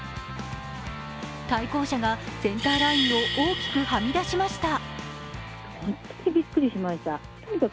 対向車がセンターラインを大きくはみ出しました。